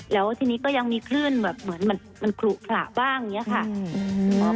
แล้วทีนี้ก็ยังมีคลื่นแบบเหมือนมันขลุขระบ้างอย่างนี้ค่ะ